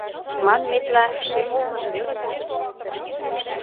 Манметла, шем олмыжо веле кодын.